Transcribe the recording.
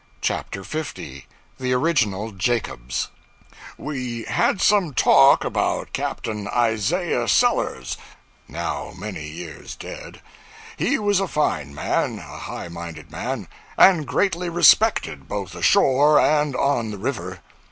CHAPTER 50 The 'Original Jacobs' WE had some talk about Captain Isaiah Sellers, now many years dead. He was a fine man, a high minded man, and greatly respected both ashore and on the river.